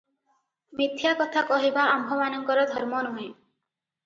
ମିଥ୍ୟା କଥା କହିବା ଆମ୍ଭମାନଙ୍କର ଧର୍ମନୁହେଁ ।